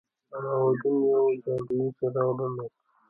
علاوالدين يو جادويي څراغ درلود.